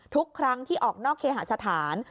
ทุกครั้งที่ออกนอกเคหาสถาน